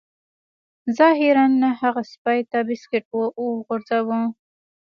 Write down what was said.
ظاهراً نه هغه سپي ته بسکټ وغورځاوه